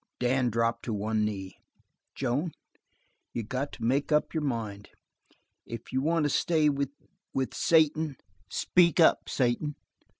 Dan dropped to one knee. "Joan, you got to make up your mind. If you want to stay with, with Satan speak up, Satan!"